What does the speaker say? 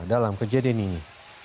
dalam kejadian ini